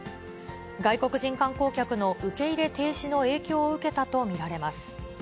外国人観光客の受け入れ停止の影響を受けたと見られます。